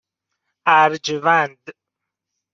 اَرجوند